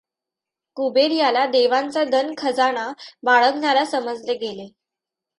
कुबेर याला देवांचा धन खजाना बाळगणारा समजले गेले.